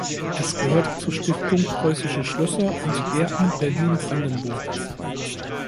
Es gehört zur Stiftung Preußische Schlösser und Gärten Berlin-Brandenburg.